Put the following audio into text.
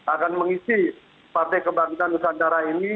akan mengisi partai kebangkitan nusantara ini